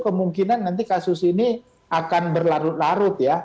kemungkinan nanti kasus ini akan berlarut larut ya